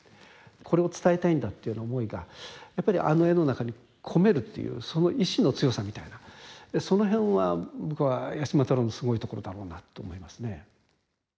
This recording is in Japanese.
これを伝えたいんだっていう思いがやっぱりあの絵の中に込めるっていうその意志の強さみたいなその辺は僕は八島太郎のすごいところだろうなと思いますね。